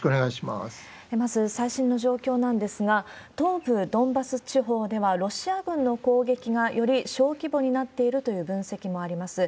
まず、最新の状況なんですが、東部ドンバス地方では、ロシア軍の攻撃がより小規模になっているという分析もあります。